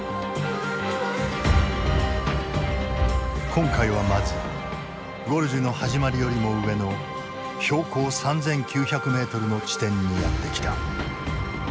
今回はまずゴルジュの始まりよりも上の標高３，９００ｍの地点にやって来た。